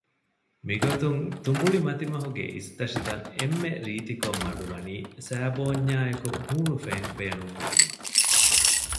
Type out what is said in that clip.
މިގޮތުން ތުނބުޅި މަތިމަހުގެ އިސްތަށިތައް އެންމެ ރީތިކޮށް މަޑުވަނީ ސައިބޯންޏާއެކު ހޫނުފެން ބޭނުން ކުރީމަ